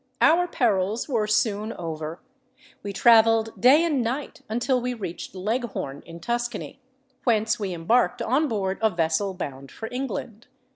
Our perils were soon over:—we travelled day and night until we reached Leghorn, in Tuscany, whence we embarked on board a vessel bound for England.